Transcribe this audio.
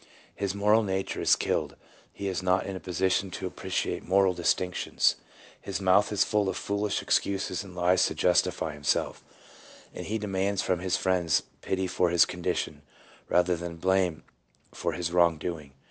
His moral nature is killed, he is not in a position to appreciate moral distinctions. His mouth is full of foolish excuses and lies to justify himself, and he demands from his friends pity for his condition, rather than blame for his wrong doing.